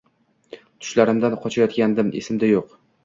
Tushlarimdan qochayotganmidim esimda yo’q.